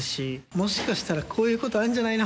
もしかしたらこういうことあるんじゃないの？